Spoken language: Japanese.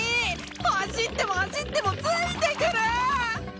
走っても走ってもついてくる！